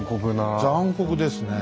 残酷ですね。